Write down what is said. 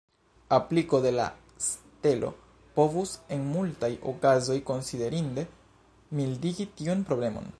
Apliko de la stelo povus en multaj okazoj konsiderinde mildigi tiun problemon.